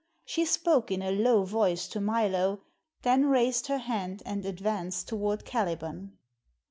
She spoke in a low voice to Milo, then raised her hand and advanced toward Caliban.